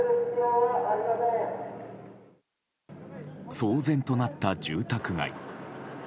騒然となった住宅街。